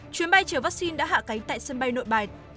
chuyến bay chở vaccine đã hạ cánh tại sân bay nội bài